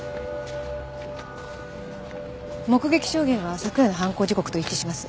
目撃証言は昨夜の犯行時刻と一致します。